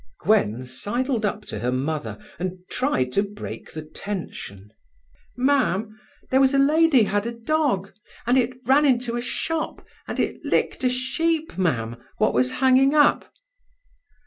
Gwen sidled up to her mother, and tried to break the tension. "Mam, there was a lady had a dog, and it ran into a shop, and it licked a sheep, Mam, what was hanging up."